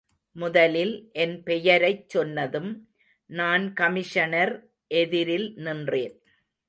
முதலில் என் பெயரைச்சொன்னதும் நான் கமிஷனர் எதிரில் நின்றேன்.